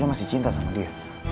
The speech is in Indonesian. dia masih cinta sama dia